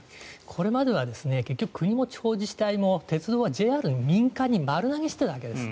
これまでは国も地方自治体も鉄道はＪＲに民間に丸投げしていたわけです。